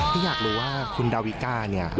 ก็อยากรู้ว่าคุณดาวิกาเนี่ย